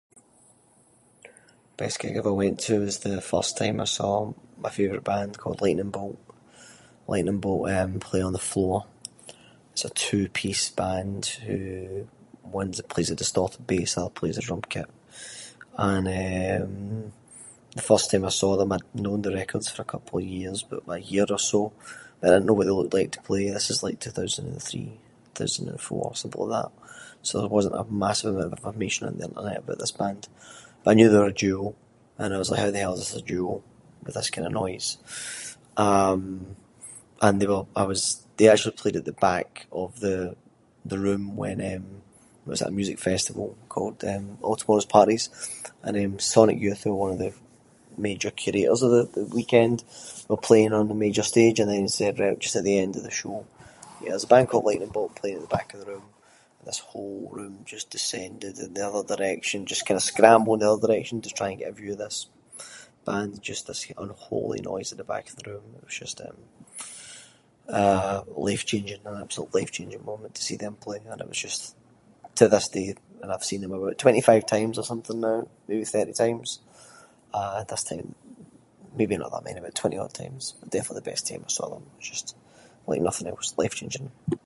Best gig I ever went to was the first time I saw my favourite band called Lightning Bolt. Lightning Bolt, eh, play on the floor. It’s a two-piece band who one’s a- plays the distorted bass, the other plays a drumkit. And eh, the first time I saw them I’d known their records for a couple of years, like a year or so, but I didn’t know what they looked like to play. This was like two-thousand-and-three, two-thousand-and-four, something like that. So there wasn’t a massive amount of information on the internet about this band. I knew they were a duo, and I was like “how the hell’s this duo with this kind of noise”. Um, and they were- I was they actually played at the back of the room when, eh, was at a music festival called All Tomorrow’s Parties. And eh Sonic Youth who were one of the- the major curators of the weekend, were playing on the major stage and then they said right at the end of the show, “here there’s a band called Lightning Bolt playing at the back of the room”, this whole room just descended in the other direction, just kind of scrambled in the other direction to try and get a view of this band, just this unholy noise at the back of the room. It was just, um, eh, life changing, an absolutely life changing moment to see them playing and it was just- to this day- and I’ve seen them about twenty-five times or something now, maybe thirty times, eh this time- maybe not that many but twenty odd times- definitely the best time I saw them was just like nothing else, life changing